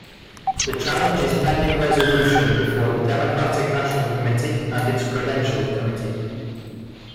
The challenge is pending resolution before the Democratic National Committee and its Credentials Committee.